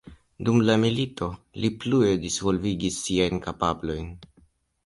Dum la milito li plue disvolvigis siajn kapablojn.